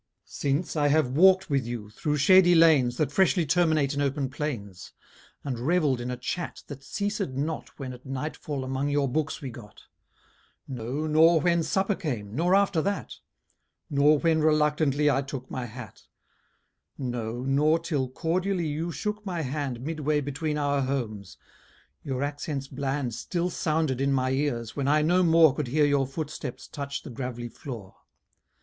Since I have walk'd with you through shady lanes That freshly terminate in open plains, And revel'd in a chat that ceased not When at night fall among your books we got: No, nor when supper came, nor after that, Nor when reluctantly I took my hat; No, nor till cordially you shook my hand Mid way between our homes: your accents bland Still sounded in my ears, when I no more Could hear your footsteps touch the grav'ly floor.